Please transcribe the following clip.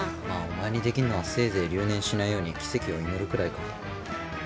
まあお前にできんのはせいぜい留年しないように奇跡を祈るくらいか。